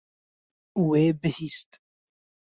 Wê bihîst.